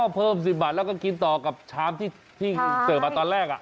เพิ่ม๑๐บาทแล้วก็กินต่อกับชามที่เสิร์ฟมาตอนแรก